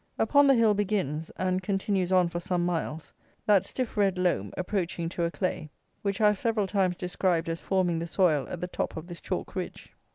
Upon the hill begins, and continues on for some miles, that stiff red loam, approaching to a clay, which I have several times described as forming the soil at the top of this chalk ridge.